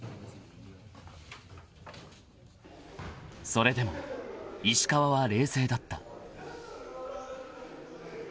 ［それでも石川は冷静だった］